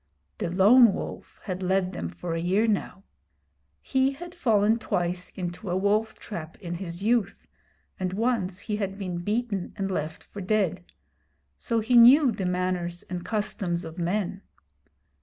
The Lone Wolf had led them for a year now. He had fallen twice into a wolf trap in his youth, and once he had been beaten and left for dead; so he knew the manners and customs of men.